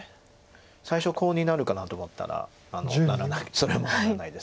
最初コウになるかなと思ったらそれもならないです。